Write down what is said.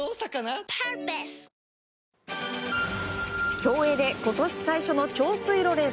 競泳で今年最初の長水路レース。